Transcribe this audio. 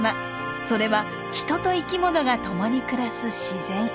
それは人と生き物がともに暮らす自然。